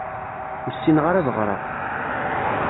Ur ssineɣ ara ad ɣṛeɣ.